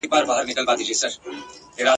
که ساحل مي د غمو